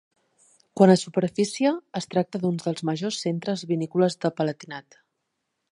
Quant a superfície, es tracta d'un dels majors centres vinícoles del Palatinat.